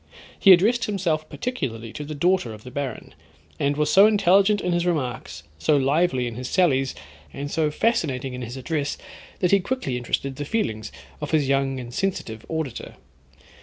He addressed himself particularly to the daughter of the baron, and was so intelligent in his remarks, so lively in his sallies, and so fascinating in his address, that he quickly interested the feelings of his young and sensitive auditor.